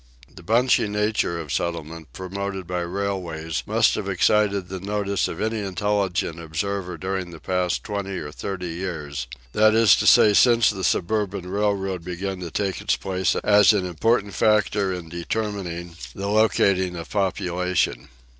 The bunchy nature of settlement promoted by railways must have excited the notice of any intelligent observer during the past twenty or thirty years that is to say since the suburban railroad began to take its place as an important factor in determining the locating of population.